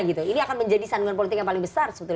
ini akan menjadi sandungan politik yang paling besar sebetulnya